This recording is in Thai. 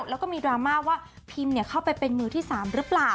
แล้วก็มีดราม่าว่าพิมเข้าไปเป็นมือที่๓หรือเปล่า